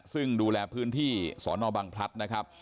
ซึ่งดูแลพื้นที่สอนอบังพลัดนะครับ